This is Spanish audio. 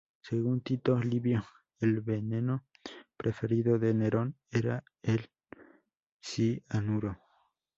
Según Tito Livio, el veneno preferido de Nerón era el cianuro.